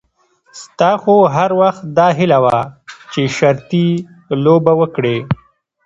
ستا خو هر وخت داهیله وه چې شرطي لوبه وکړې.